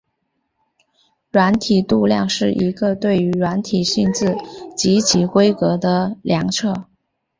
软体度量是一个对于软体性质及其规格的量测。